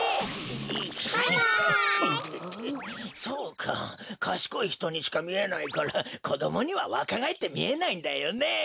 そうかかしこいひとにしかみえないからこどもにはわかがえってみえないんだよね。